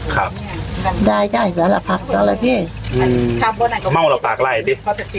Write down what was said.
ครับได้ได้สาหรับผักสาหรับเพศอืมม่องหรือปากไล่ติ